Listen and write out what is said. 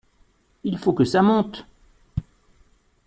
Il faut que ça monte.